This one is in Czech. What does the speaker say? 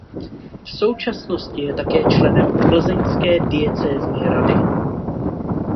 V současnosti je také členem plzeňské diecézní rady.